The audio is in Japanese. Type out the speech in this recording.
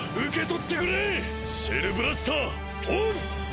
シェルブラスターオン！